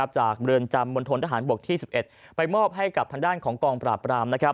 เรือนจำมณฑนทหารบกที่๑๑ไปมอบให้กับทางด้านของกองปราบราม